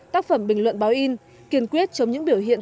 tác phẩm bình luận báo in kiên quyết chống những biểu hiện